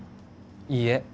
いいえ